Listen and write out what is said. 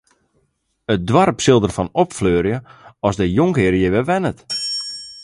It doarp sil derfan opfleurje as de jonkhear hjir wer wennet.